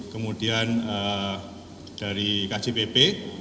kemudian dari kcpp